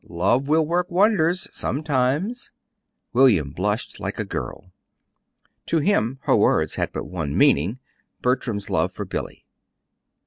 Love will work wonders sometimes." William blushed like a girl. To him her words had but one meaning Bertram's love for Billy.